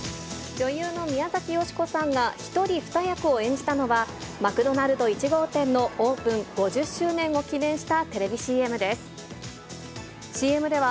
女優の宮崎美子さんが１人２役を演じたのは、マクドナルド１号店のオープン５０周年を記念したテレビＣＭです。